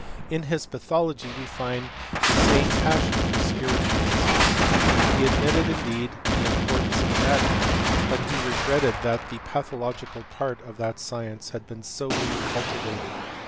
In his pathology we find the same ^ioQ for spiritualism. He admitted, indeed, the ^rtance of anatomy, but he regretted that the thological part of that science had been so little Itivated.